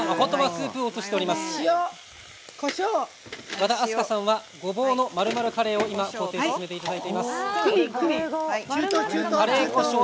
和田明日香さんは「ごぼうの●●●カレー」を工程を進めていただいてます。